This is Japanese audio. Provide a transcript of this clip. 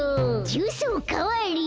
ジュースおかわり。